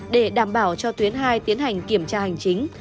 để đảm bảo cho tuyến hai tiến hành kiểm tra hành chính